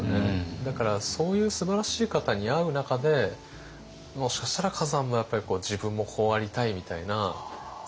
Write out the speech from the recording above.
だからそういうすばらしい方に会う中でもしかしたら崋山もやっぱり自分もこうありたいみたいな像があったのかもしれませんね。